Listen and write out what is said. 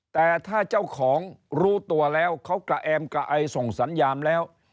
แต่ถ้าเจ้าของรู้ตัวแล้วเขากระแอมกระไอส่งสัญญาณแล้ว